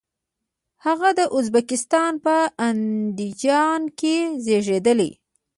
هغه د ازبکستان په اندیجان کې زیږیدلی.